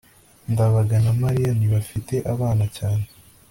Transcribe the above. ndabaga na mariya ntibafite abana cyane